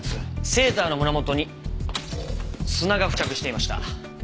セーターの胸元に砂が付着していました。